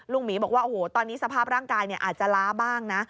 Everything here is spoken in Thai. หมีบอกว่าโอ้โหตอนนี้สภาพร่างกายอาจจะล้าบ้างนะ